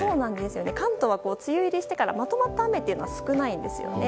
関東は梅雨入りしてからまとまった雨というのは少ないんですよね。